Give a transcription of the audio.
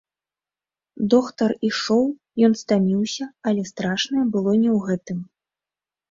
Доктар ішоў, ён стаміўся, але страшнае было не ў гэтым.